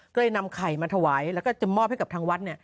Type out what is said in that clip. ก็เลยนำไข่มาถวายแล้วก็จะมอบให้กับทางวัด